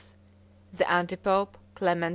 The anti pope, Clement VI.